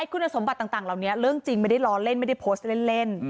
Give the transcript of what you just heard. คุณสมบัติต่างเหล่านี้เรื่องจริงไม่ได้ล้อเล่นไม่ได้โพสต์เล่น